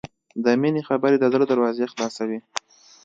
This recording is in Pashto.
د مینې خبرې د زړه دروازې خلاصوي.